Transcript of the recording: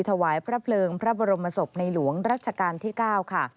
ถวายพระเพลิงพระบรมศพในหลวงรัชกาลที่๙ค่ะ